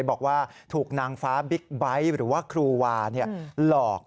บอกว่าถูกนางฟ้าบิ๊กไบท์หรือว่าครูวาหลอก